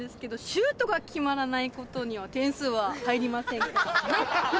シュートが決まらないことには点数は入りませんからね！